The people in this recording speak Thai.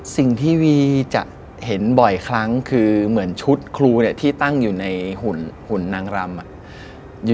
ซีวีจะเห็นบ่อยครั้งคือเหมือนชุดครูเนี่ยที่ตั้งอยู่ในหุ่นนางรำ